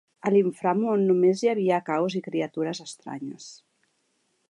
A l'inframón només hi havia caos i criatures estranyes.